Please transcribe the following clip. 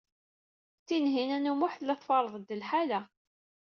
Tinhinan u Muḥ tella tferreḍ-d lḥaṛa.